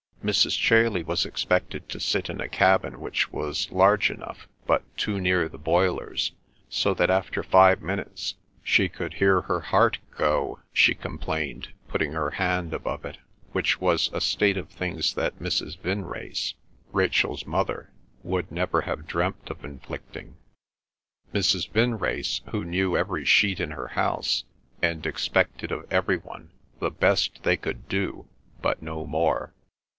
Mrs. Chailey was expected to sit in a cabin which was large enough, but too near the boilers, so that after five minutes she could hear her heart "go," she complained, putting her hand above it, which was a state of things that Mrs. Vinrace, Rachel's mother, would never have dreamt of inflicting—Mrs. Vinrace, who knew every sheet in her house, and expected of every one the best they could do, but no more.